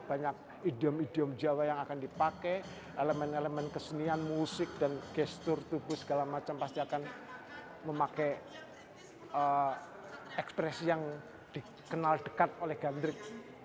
banyak idiom idiom jawa yang akan dipakai elemen elemen kesenian musik dan gestur tubuh segala macam pasti akan memakai ekspresi yang dikenal dekat oleh gandrik